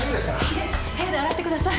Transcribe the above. いえ部屋で洗ってください。